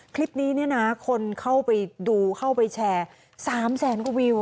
คลิปนี้เนี่ยนะคนเข้าไปดูเข้าไปแชร์๓แสนกว่าวิว